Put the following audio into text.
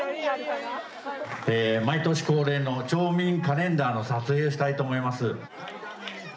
毎年恒例の町民カレンダーの撮影をしたいと思います。